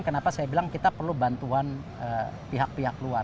kenapa saya bilang kita perlu bantuan pihak pihak luar